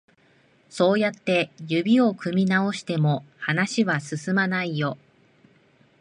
そうやって指を組み直しても、話は進まないよ。